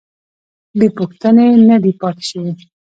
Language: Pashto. بې پوښتنې نه ده پاتې شوې.